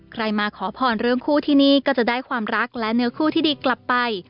ใครมาขอพรเรื่องคู่ที่นี่ก็จะได้ความรักและเนื้อคู่ที่ดีกลับไป